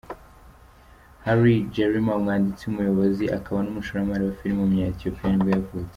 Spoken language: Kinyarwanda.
Haile Gerima, umwanditsi, umuyobozi akaba n’umushoramari wa filime w’umunya-Ethiopia nibwo yavutse.